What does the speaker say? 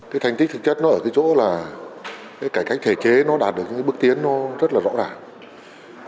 cái thành tích thực chất nó ở cái chỗ là cái cải cách thể chế nó đạt được những bước tiến nó rất là rõ ràng